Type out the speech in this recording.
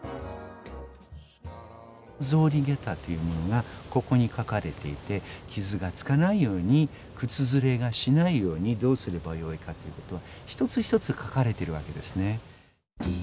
草履下駄というものがここに書かれていて傷がつかないように靴ずれがしないようにどうすれば良いかということが一つ一つ書かれてるわけですね。